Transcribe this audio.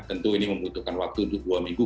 tentu ini membutuhkan waktu dua minggu